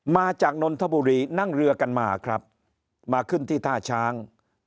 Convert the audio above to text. มาจากนนทบุรีนั่งเรือกันมาครับมาขึ้นที่ท่าช้าง